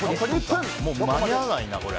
もう間に合わないな、こりゃ。